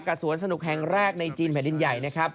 สวนสนุกแห่งแรกในจีนแผ่นดินใหญ่นะครับ